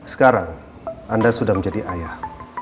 sekarang anda sudah menjadi ayah